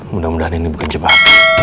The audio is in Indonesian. mudah mudahan ini bukan cepat